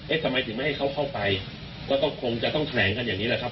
ทำไมถึงไม่ให้เขาเข้าไปก็ต้องคงจะต้องแถลงกันอย่างนี้แหละครับ